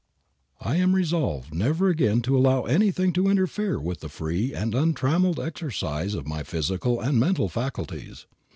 I am resolved never again to allow anything to interfere with the free and untrammeled exercise of my physical and mental faculties.